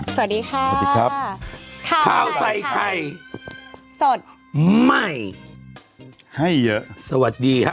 สวัสดีครับคราวใส่ไข่สดใหม่ให้เยอะสวัสดีฮะ